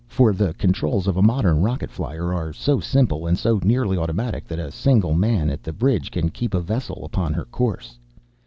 For the controls of a modern rocket flier are so simple and so nearly automatic that a single man at the bridge can keep a vessel upon her course.